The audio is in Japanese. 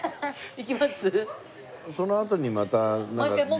行きます？